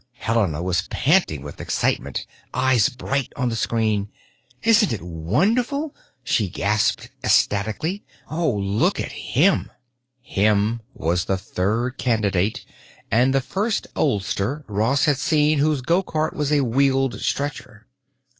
Helena was panting with excitement, eyes bright on the screen. "Isn't it wonderful?" she gasped ecstatically. "Oh, look at him!" "Him" was the third candidate, and the first oldster Ross had seen whose gocart was a wheeled stretcher.